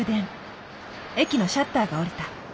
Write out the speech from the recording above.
駅のシャッターが下りた。